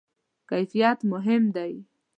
کیفیت مهم ده؟